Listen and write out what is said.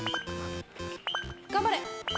頑張れ！